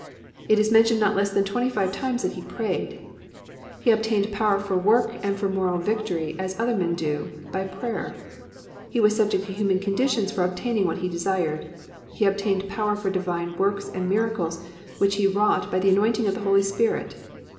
It is mentioned not less than twenty five times that He prayed. He obtained power for work and for moral victory as other men do, by prayer. He was subject to human conditions for obtaining what He desired. He obtained power for the divine works and miracles which he wrought by the anointing of the Holy Spirit.